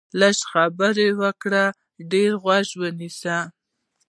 لږې خبرې وکړه، ډېر غوږ ونیسه